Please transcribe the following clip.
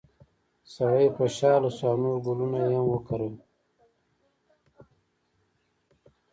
سړی خوشحاله شو او نور ګلونه یې هم وکري.